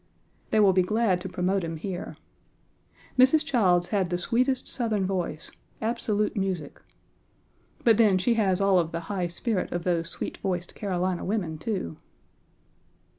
They will be glad to promote him here. Mrs. Childs had the sweetest Southern voice, absolute music. But then, she has all of the high spirit of those sweet voiced Carolina women, too.